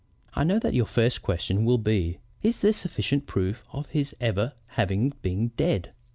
"I know that your first question will be: 'Is there sufficient proof of his ever having been dead?'